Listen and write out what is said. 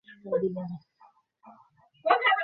নিজেদের উপর প্রবল বিশ্বাস রাখো, বাল্যকালে যেমন আমার ছিল।